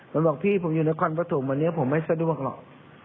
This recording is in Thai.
มันบอกพี่ผมอยู่นครปฐมวันนี้ผมไม่สะดวกหรอก